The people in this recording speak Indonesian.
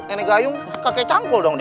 nenek gayung kakek cangkol doang dia